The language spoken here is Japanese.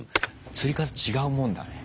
釣り方違うもんだね。